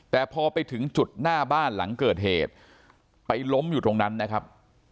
แต่พอไปถึงจุดหน้าบ้านหลังเกิดเหตุไปล้มอยู่ตรงนั้นนะครับ